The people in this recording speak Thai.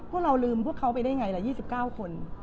พวกเราลืมพวกเขาไปได้ยังไงล่ะ๒๙คน